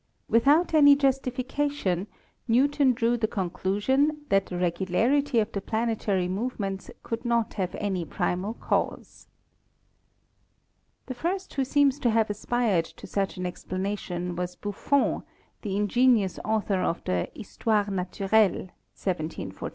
Without any justification, Newton drew the con clusion that the regularity of the planetary movements could not have any primal cause. The first who seems to have aspired to such an explana tion was BurTon, the ingenious author of the "Histoire Naturelle" (1745).